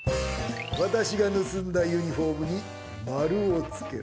私が盗んだユニフォームに丸をつけろ！